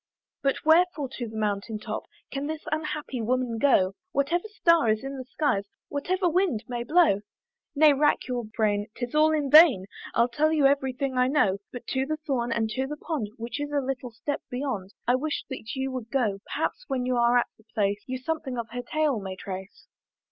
"But wherefore to the mountain top "Can this unhappy woman go, "Whatever star is in the skies, "Whatever wind may blow?" Nay rack your brain 'tis all in vain, I'll tell you every thing I know; But to the thorn, and to the pond Which is a little step beyond, I wish that you would go: Perhaps when you are at the place You something of her tale may trace.